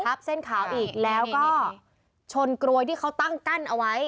เส้นขาวอีกแล้วก็ชนกรวยที่เขาตั้งกั้นเอาไว้